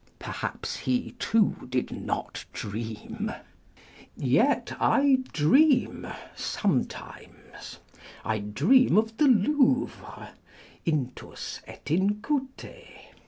Perhaps he, too, did not dream ! Yet I dream sometimes ; I dream of the Louvre â€" Intus et in cute.